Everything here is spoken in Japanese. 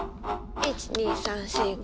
１・２・３・４・５。